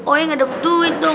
oh iya gak ada duit dong